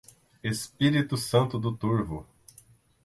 Espírito Santo do Turvo